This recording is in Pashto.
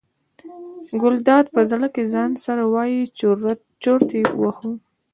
ګلداد په زړه کې ځان سره وایي چورت یې وواهه.